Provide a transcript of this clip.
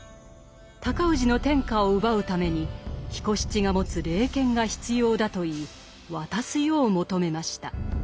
尊氏の天下を奪うために彦七が持つ霊剣が必要だと言い渡すよう求めました。